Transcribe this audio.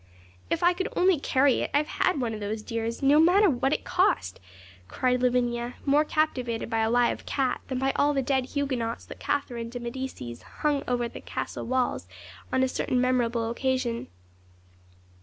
'If I could only carry it, I'd have one of those dears, no matter what it cost!' cried Lavinia, more captivated by a live cat than by all the dead Huguenots that Catherine de Medicis hung over the castle walls on a certain memorable occasion.